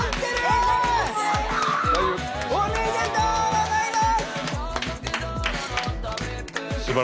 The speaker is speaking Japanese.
おめでとうございます。